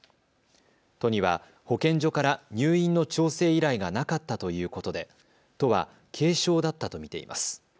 都には保健所から入院の調整依頼がなかったということで都は軽症だったと見ています。